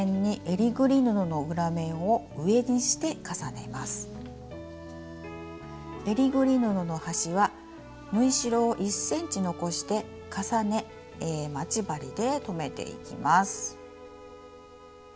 えりぐり布の端は縫い代を１ｃｍ残して重ね待ち針で留めていきます。